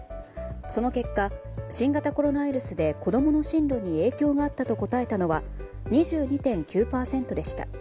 その結果、新型コロナで子供の進路に影響があったと答えたのは２２．９％でした。